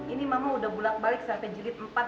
ini mama udah bulat balik sampai jilid empat